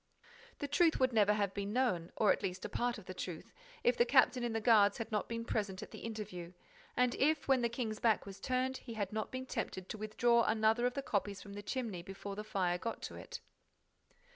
The truth would never have been known, or at least a part of the truth, if the captain in the guards had not been present at the interview and if, when the king's back was turned, he had not been tempted to withdraw another of the copies from the chimney, before the fire got to it.